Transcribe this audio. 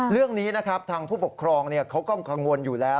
เรื่องนี้นะครับทางผู้ปกครองเขาก็กังวลอยู่แล้ว